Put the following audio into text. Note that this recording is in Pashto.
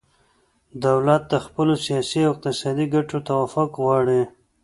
دولت د خپلو سیاسي او اقتصادي ګټو توافق غواړي